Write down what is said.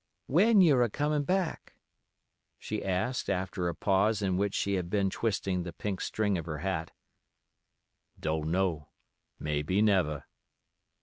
"When you're acomin' back?" she asked, after a pause in which she had been twisting the pink string of her hat. "Don't know—may be never."